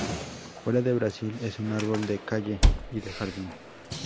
Fuera de Brasil es un árbol de calle y de jardín.